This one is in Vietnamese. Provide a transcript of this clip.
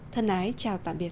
thân ái chào tạm biệt